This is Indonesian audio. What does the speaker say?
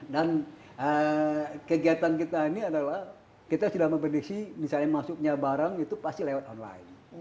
dan kegiatan kita ini adalah kita sudah memprediksi misalnya masuknya barang itu pasti lewat online